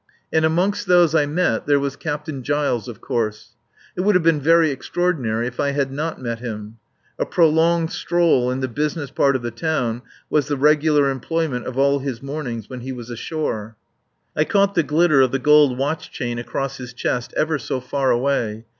And amongst those I met there was Captain Giles, of course. It would have been very extraordinary if I had not met him. A prolonged stroll in the business part of the town was the regular employment of all his mornings when he was ashore. I caught the glitter of the gold watch chain across his chest ever so far away.